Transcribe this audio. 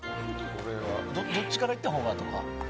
どっちからいったほうが？